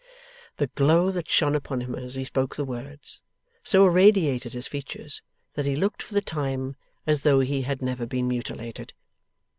The glow that shone upon him as he spoke the words, so irradiated his features that he looked, for the time, as though he had never been mutilated.